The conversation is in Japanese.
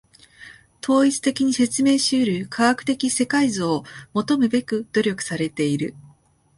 統一的に説明し得る科学的世界像を求むべく努力されている。